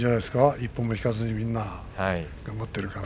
一歩も引かずに頑張っているから。